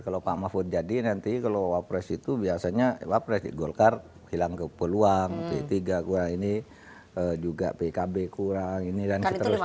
kalau pak mahfud jadi nanti kalau wapres itu biasanya wapres di golkar hilang ke peluang p tiga kurang ini juga pkb kurang ini dan seterusnya